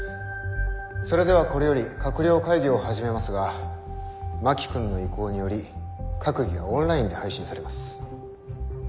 それではこれより閣僚会議を始めますが真木君の意向により閣議はオンラインで配信されます。